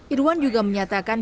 irwan juga menyatakan